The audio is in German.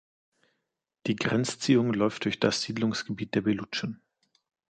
Die Grenzziehung läuft durch das Siedlungsgebiet der Belutschen.